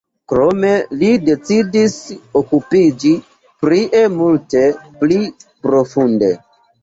Krome li decidis okupiĝi prie multe pli profunde.